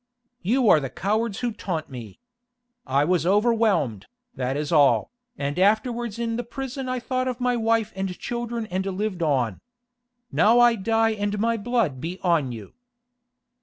You are the cowards who taunt me. I was overwhelmed, that is all, and afterwards in the prison I thought of my wife and children and lived on. Now I die and my blood be on you."